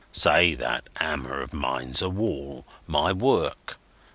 "Say that hammer of mine's a wall—my work.